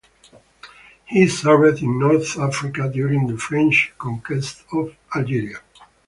He served in North Africa during the French conquest of Algeria.